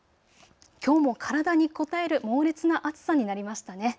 きょうも体にこたえる猛烈な暑さになりましたね。